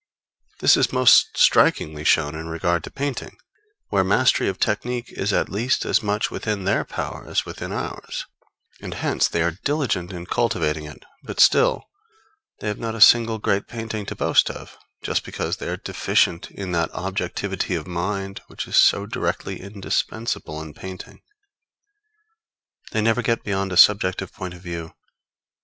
This is most strikingly shown in regard to painting, where mastery of technique is at least as much within their power as within ours and hence they are diligent in cultivating it; but still, they have not a single great painting to boast of, just because they are deficient in that objectivity of mind which is so directly indispensable in painting. They never get beyond a subjective point of view.